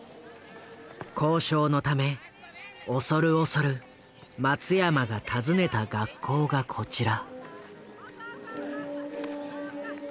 交渉のため恐る恐る松山が訪ねた学校がこちら。